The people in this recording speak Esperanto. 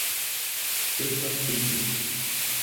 disvastigi